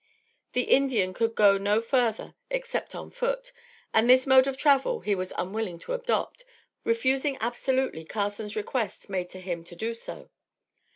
The Indian could go no further except on foot, and this mode of travel he was unwilling to adopt, refusing absolutely Carson's request made to him to do so.